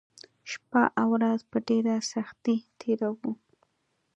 شپه او ورځ په ډېره سختۍ تېروو